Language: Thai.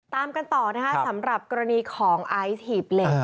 ตามกันต่อนะคะสำหรับกรณีของไอซ์หีบเหล็ก